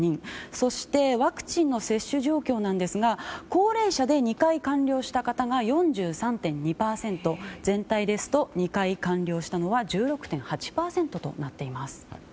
そしてワクチンの接種状況なんですが高齢者で２回完了した方が４３．２％全体ですと２回完了したのは１６．８％となっています。